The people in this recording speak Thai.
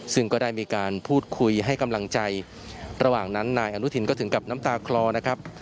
ซึ่งก็ได้มีการพูดคุยให้กำลังใจระหว่างนั้นนายอนุทินก็ถึงกับน้ำตาคลอนะครับ